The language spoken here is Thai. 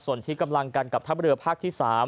ส่วนที่กำลังกันกับทัพเรือภาคที่๓